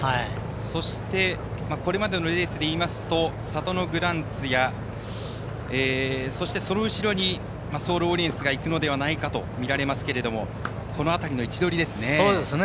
そしてこれまでのレースで言いますとサトノグランツやそして、その後ろにソールオリエンスがいくのではないかとみられますけれどもこの辺りの位置取りですね。